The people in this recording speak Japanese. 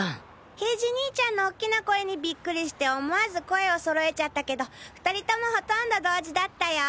平次兄ちゃんのおっきな声にビックリして思わず声をそろえちゃったけど２人ともほとんど同時だったよ！